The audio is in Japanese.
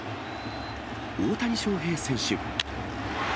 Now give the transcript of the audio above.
大谷翔平選手。